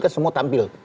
kan semua tampil